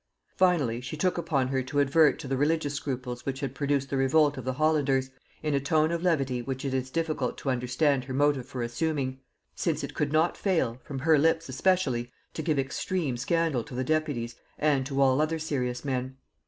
Finally, she took upon her to advert to the religious scruples which had produced the revolt of the Hollanders, in a tone of levity which it is difficult to understand her motive for assuming: since it could not fail, from her lips especially, to give extreme scandal to the deputies and to all other serious men.